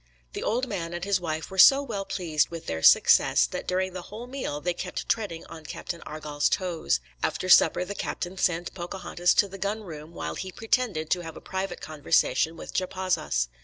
The old man and his wife were so well pleased with their success that during the whole meal they kept treading on Captain Argall's toes. After supper the captain sent Pocahontas to the gun room while he pretended to have a private conversation with Japazaws.